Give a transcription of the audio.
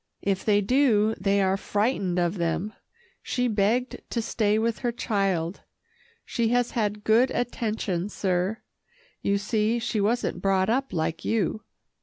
If they do, they are frightened of them. She begged to stay with her child. She has had good attention, sir. You see she wasn't brought up like you." Mr.